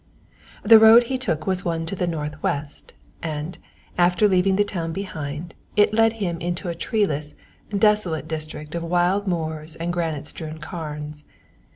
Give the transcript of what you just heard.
The road he took was one to the north west, and, after leaving the town behind, it led him into a treeless, desolated district of wild moors and granite strewn carns.